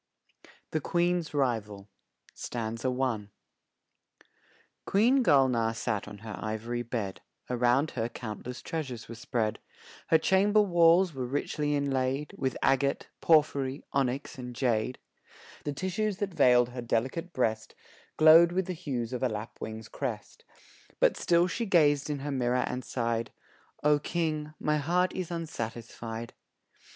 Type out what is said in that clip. THE QUEEN'S RIVAL QUEEN Gulnaar sat on her ivory bed, Around her countless treasures were spread; Her chamber walls were richly inlaid With agate, porphory, onyx and jade; The tissues that veiled her delicate breast, Glowed with the hues of a lapwing's crest; But still she gazed in her mirror and sighed "O King, my heart is unsatisfied."